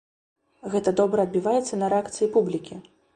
Гэта добра адбіваецца на рэакцыі публікі!